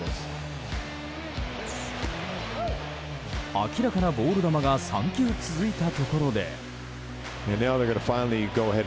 明らかなボール球が３球続いたところで。